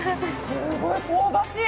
すごい香ばしい。